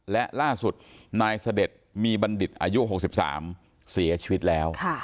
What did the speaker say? และล่าสุดนายเสด็จมีบำดิดอายุหกสิบสามเสียชีวิตแล้ว